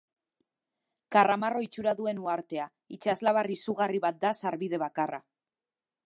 Karramarro itxura duen uhartea; itsaslabar izugarri bat da sarbide bakarra.